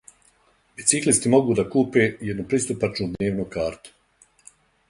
Бициклисти могу да купе једну, приступачну дневну карту.